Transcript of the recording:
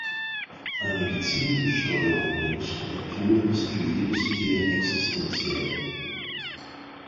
Eine gezielte Steuerung der Muskulatur ist für jedes Tier existenziell.